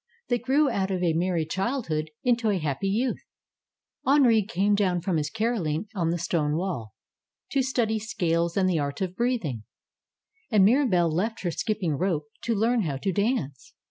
They grew out of a merry childhood into a happy youth. Henri came down from his carolling on the stone wall, to study scales and the art of breathing. And Mirabelle left her skipping rope to learn how to dance.